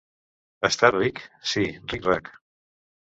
Estàs ric! —Sí, ric-rac!